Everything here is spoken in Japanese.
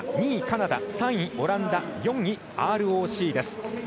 ２位、カナダ、３位、オランダ４位、ＲＯＣです。